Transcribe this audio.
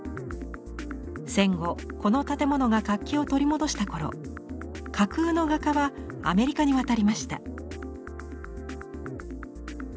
戦後この建物が活気を取り戻した頃架空の画家はアメリカに渡りました。